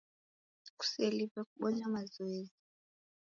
Kuseliwe kubonya mazoezi.